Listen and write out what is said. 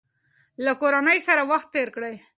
له کورنۍ سره وخت تېر کړئ.